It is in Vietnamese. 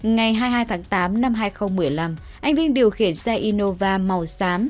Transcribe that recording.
ngày hai mươi hai tháng tám năm hai nghìn một mươi năm anh vinh điều khiển xe innova màu xám